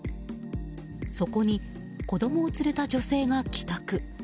そこに、子供を連れた女性が帰宅。